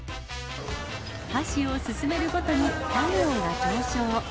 箸を進めるごとに体温が上昇。